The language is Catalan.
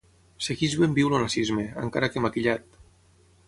Segueix ben viu el nazisme, encara que maquillat.